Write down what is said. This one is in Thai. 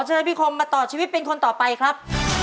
เชิญพี่คมมาต่อชีวิตเป็นคนต่อไปครับ